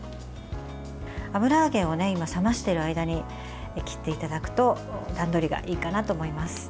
油揚げを冷ましている間に切っていただくと段取りがいいかなと思います。